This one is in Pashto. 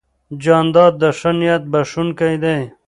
جانداد د ښه نیت بښونکی دی.